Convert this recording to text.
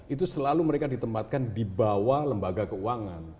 itu selalu mereka ditempatkan di bawah lembaga keuangan